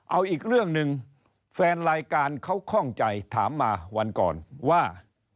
เอาอีกเรื่องหนึ่งแฟนรายการเขาคล่องใจถามมาวันก่อนว่า